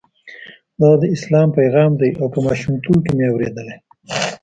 دا د اسلام پیغام دی او په ماشومتوب کې مې اورېدلی.